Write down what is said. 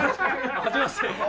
はじめまして！